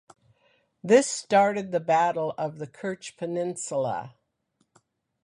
This started the Battle of the Kerch Peninsula.